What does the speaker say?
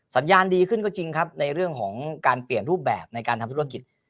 สัญญาณดีขึ้นก็จริงครับในเรื่องของการเปลี่ยนรูปแบบในการทำธุรกิจ